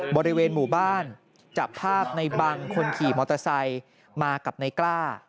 บริเวณหมู่บ้านจับภาพในบังคนขี่มอเตอร์ไซค์มากับในกล้า